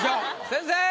先生！